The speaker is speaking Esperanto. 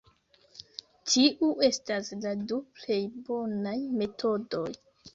Tiu estas la du plej bonaj metodoj.